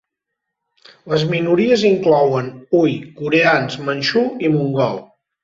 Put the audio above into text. Les minories inclouen hui, coreans, manxú, i mongol.